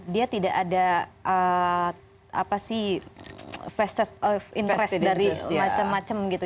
dia tidak ada apa sih interest dari macem macem gitu